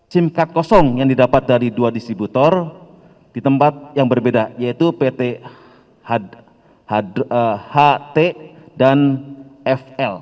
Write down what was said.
sim card kosong yang didapat dari dua distributor di tempat yang berbeda yaitu pt ht dan fl